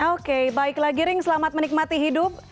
oke baiklah giring selamat menikmati hidup